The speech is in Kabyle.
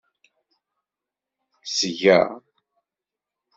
Seg-a.